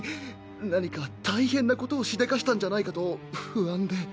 何か大変なことをしでかしたんじゃないかと不安で。